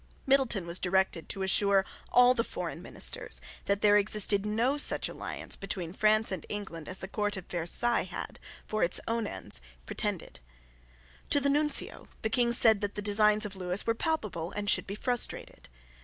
Middleton was directed to assure all the foreign ministers that there existed no such alliance between France and England as the Court of Versailles had, for its own ends, pretended. To the Nuncio the King said that the designs of Lewis were palpable and should be frustrated.